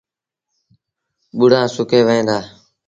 ٻوڙآ سُڪي وهيݩ دآ۔